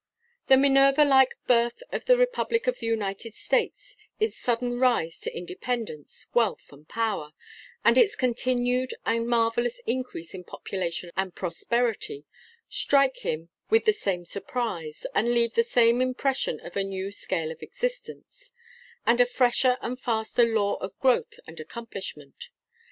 The Minerva like birth of the republic of the United States, its sudden rise to independence, wealth, and power, and its continued and marvellous increase in population and prosperity, strike him with the same surprise, and leave the same impression of a new scale of existence, and a fresher and faster law of growth and accomplishment.